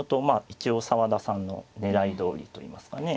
一応澤田さんの狙いどおりといいますかね。